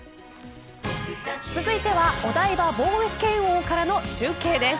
続いてはお台場冒険王からの中継です。